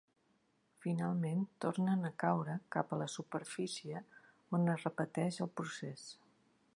Finalment tornen a caure cap a la superfície on es repeteix el procés.